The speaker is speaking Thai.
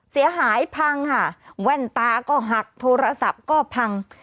เสียหายพังค่ะแว่นตาก็หักโทรศัพท์ก็พัง